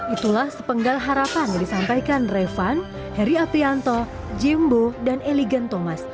itulah sepenggal harapan yang disampaikan revan heri aprianto jimbo dan eligan thomas